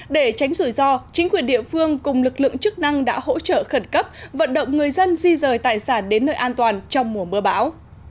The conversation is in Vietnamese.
để tránh rủi ro chính quyền địa phương cùng lực lượng chức năng đã hỗ trợ khẩn cấp vận động người dân di rời tài sản đến nơi an toàn trong mùa mưa bão